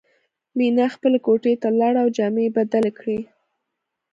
مینه خپلې کوټې ته لاړه او جامې یې بدلې کړې